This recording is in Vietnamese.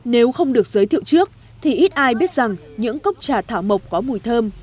nếu không được giới thiệu trước thì ít ai biết rằng những cốc trà thảo mộc có mùi thơm